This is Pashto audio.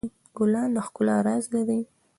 ګلان د ښکلا راز لري.